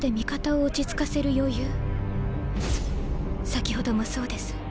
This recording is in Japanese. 先ほどもそうです。